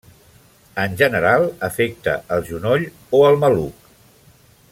En general, afecta el genoll o el maluc.